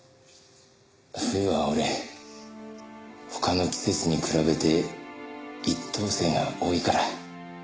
冬はほれ他の季節に比べて一等星が多いから。